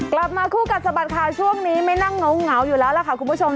กลับมาคู่กัดสะบัดข่าวช่วงนี้ไม่นั่งเหงาอยู่แล้วล่ะค่ะคุณผู้ชม